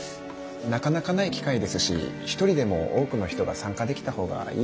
なかなかない機会ですし一人でも多くの人が参加できたほうがいいかなと思って。